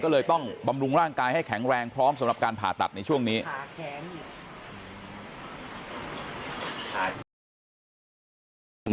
ก็เลยต้องบำรุงร่างกายให้แข็งแรงพร้อมสำหรับการผ่าตัดในช่วงนี้